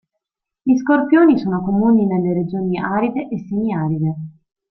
Gli scorpioni sono comuni nelle regioni aride e semiaride.